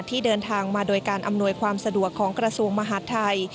ที่เดินทางมาโดยการอำนวยความสะดวกของกระทรวงมหาดไทย